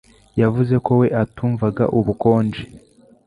Yavuze ko we atumvaga ubukonje